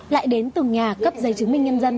lại đến từng nhà cấp giấy chứng minh nhân dân